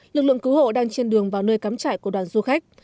lực lượng cứu hộ đang trên đường vào nơi cắm trại của đoàn du khách